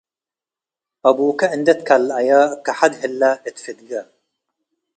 አቡከ እንዴ ትከለአየ ከሐድ ህለ እት ፍድገ፣